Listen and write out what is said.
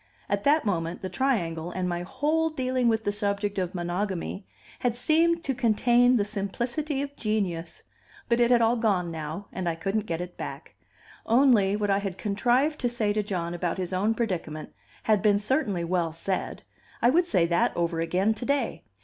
At that moment, the triangle, and my whole dealing with the subject of monogamy, had seemed to contain the simplicity of genius; but it had all gone now, and I couldn't get it back; only, what I had contrived to say to John about his own predicament had been certainly well said; I would say that over again to day.